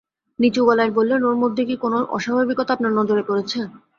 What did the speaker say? নিচু গলায় বললেন, ওর মধ্যে কি কোনো অস্বাভাবিকতা আপনার নজরে পড়েছে?